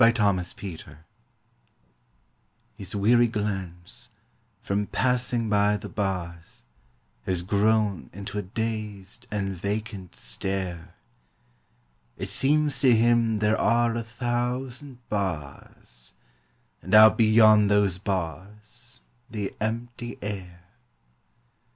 THE PANTHER His weary glance, from passing by the bars, Has grown into a dazed and vacant stare; It seems to him there are a thousand bars And out beyond those bars the empty air.